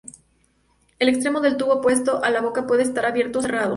El extremo del tubo opuesto a la boca puede estar abierto o cerrado.